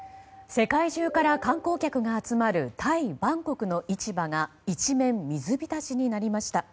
世界中から観光客が集まるタイ・バンコクの市場が一面水浸しになりました。